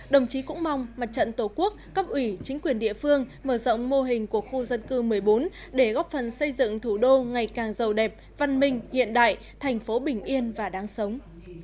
đồng chí cũng mong mặt trận tổ quốc cấp ủy chính quyền địa phương mở rộng mô hình của khu dân cư một mươi bốn để góp phần xây dựng thủ đô ngày càng giàu đẹp văn minh hiện đại thành phố bình yên và đáng sống